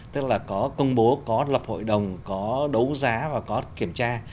tức là có công bố có lập hội đồng có đấu giá và có kiểm tra